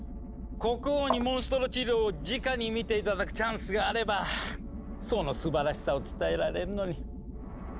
国王にモンストロ治療をじかに見て頂くチャンスがあればそのすばらしさを伝えられるのに。